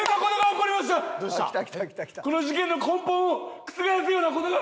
この事件の根本を覆すような事が！